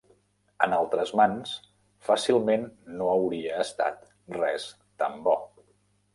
En altres mans, fàcilment no hauria estat res tan bo.